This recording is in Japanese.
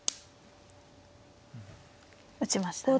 打ちましたね。